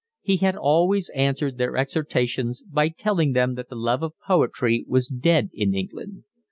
He had always answered their exhortations by telling them that the love of poetry was dead in England.